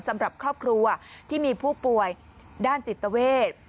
สำหรับครอบครัวที่มีผู้ป่วยด้านจิตเวท